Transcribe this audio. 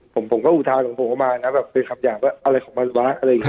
ผมก็อุทาออกมาเป็นคำอย่างว่าอะไรของมันวะ